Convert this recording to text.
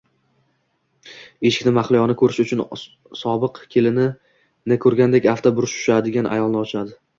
Eshikni Mahliyoni ko`rishi bilan sobiq kelinini ko`rgandek afti burishadigan ayol ochadi